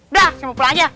udah sama pulang aja